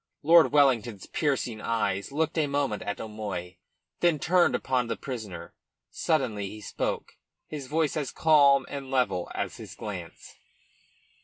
Lord Wellington's piercing eyes looked a moment at O'Moy, then turned upon the prisoner. Suddenly he spoke, his voice as calm and level as his glance.